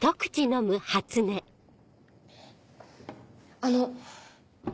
あの。